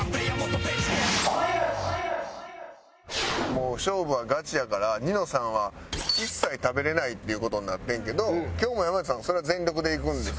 もう勝負はガチやからニノさんは一切食べれないっていう事になってんけど今日も山内さんそれは全力でいくんですね？